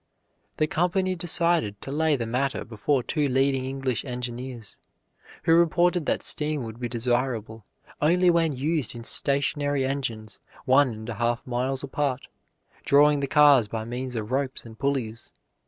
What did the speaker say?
The company decided to lay the matter before two leading English engineers, who reported that steam would be desirable only when used in stationary engines one and a half miles apart, drawing the cars by means of ropes and pulleys.